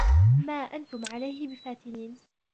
مَا أَنْتُمْ عَلَيْهِ بِفَاتِنِينَ